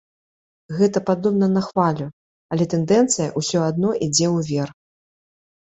Гэта падобна на хвалю, але тэндэнцыя ўсё адно ідзе ўверх.